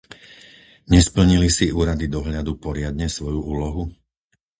Nesplnili si úrady dohľadu poriadne svoju úlohu?